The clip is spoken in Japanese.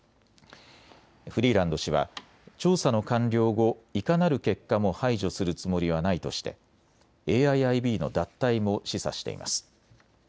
フリーランド氏は調査の完了後、いかなる結果も排除するつもりはないとしてＡＩＩＢの脱退も示唆しています。